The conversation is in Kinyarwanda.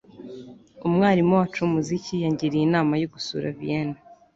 Umwarimu wacu wumuziki yangiriye inama yo gusura Vienne